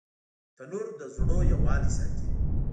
تنور د زړونو یووالی ساتي